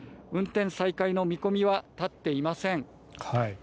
運転再開の見込みは立っていません。